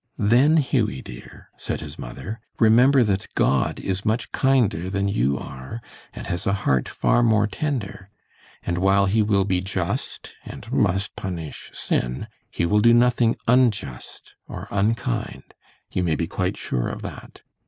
"Then, Hughie, dear," said his mother, "remember that God is much kinder than you are, and has a heart far more tender, and while He will be just and must punish sin, He will do nothing unjust or unkind, you may be quite sure of that.